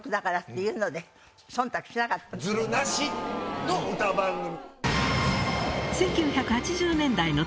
ズルなしの歌番組。